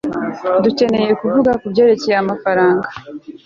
dukeneye kuvuga kubyerekeye amafaranga